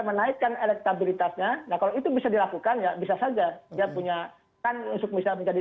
menaikkan elektabilitasnya nah kalau itu bisa dilakukan ya bisa saja dia punya kan untuk bisa menjadi